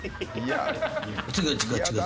違う違う違う。